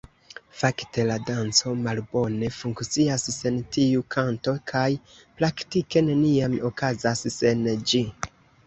Fakte la danco malbone funkcias sen tiu kanto, kaj praktike neniam okazas sen ĝi.